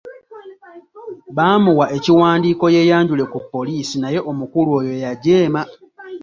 Baamuwa ekiwandiiko yeeyanjule ku poliisi naye omukulu oyo yajeema.